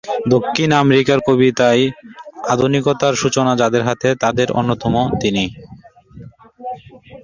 দক্ষিণ আমেরিকার কবিতায় আধুনিকতার সূচনা যাদের হাতে, তাদের অন্যতম তিনি।